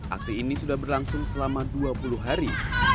aksi ini sudah berlangsung selama dua puluh hari